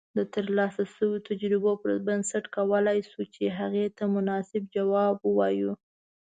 د ترلاسه شويو تجربو پر بنسټ کولای شو چې هغې ته مناسب جواب اوایو